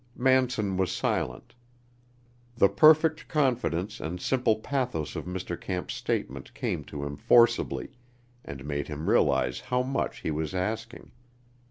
Manson was silent. The perfect confidence and simple pathos of Mr. Camp's statement came to him forcibly, and made him realize how much he was asking.